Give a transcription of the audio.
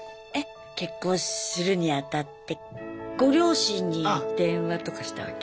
結婚するにあたってご両親に電話とかしたわけ？